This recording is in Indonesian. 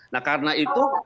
nah karena itu